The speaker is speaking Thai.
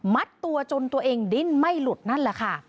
ตัวจนตัวเองดิ้นไม่หลุดนั่นแหละค่ะ